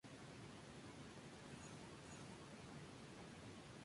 Esto hace que las aplicaciones sean más simples de desarrollar, leer y mantener.